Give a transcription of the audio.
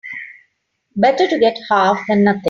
Better to get half than nothing.